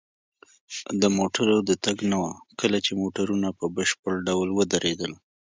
د موټرو د تګ نه وه، کله چې موټرونه په بشپړ ډول ودرېدل.